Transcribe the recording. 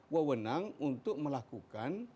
wewenang untuk melakukan